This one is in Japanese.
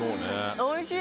おいしい。